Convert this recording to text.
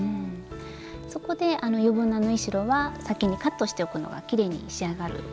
そこで余分な縫い代は先にカットしておくのがきれいに仕上がるコツなんですね。